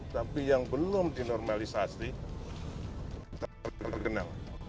tapi yang belum dinormalisasi terkenal